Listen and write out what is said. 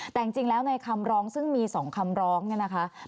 แต่จริงแล้วในคำร้องซึ่งมี๒คำร้องเนี่ยนะคะ